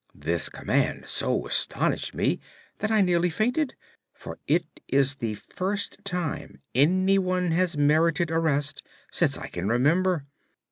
This command so astonished me that I nearly fainted, for it is the first time anyone has merited arrest since I can remember.